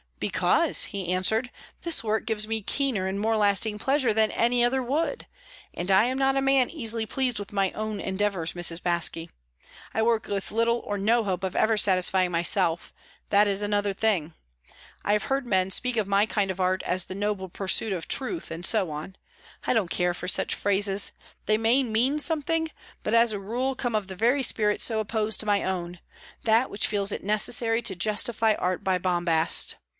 "Because," he answered, "this work gives me keener and more lasting pleasure than any other would. And I am not a man easily pleased with my own endeavours, Mrs. Baske. I work with little or no hope of ever satisfying myself that is another thing. I have heard men speak of my kind of art as 'the noble pursuit of Truth,' and so on. I don't care for such phrases; they may mean something, but as a rule come of the very spirit so opposed to my own that which feels it necessary to justify art by bombast.